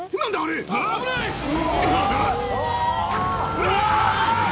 うわ！